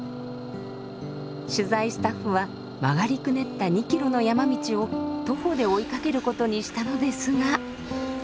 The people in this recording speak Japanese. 取材スタッフは曲がりくねった２キロの山道を徒歩で追いかけることにしたのですが。